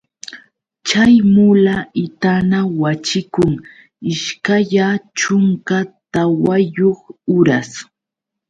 Chay mula itana waćhikun ishkaya chunka tawayuq uras.